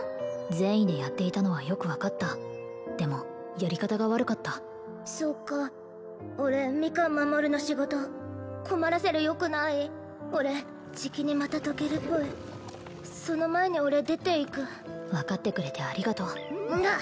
善意でやっていたのはよく分かったでもやり方が悪かったそうか俺ミカン守るの仕事困らせるよくない俺じきにまた溶けるっぽいその前に俺出て行く分かってくれてありがとうんがっ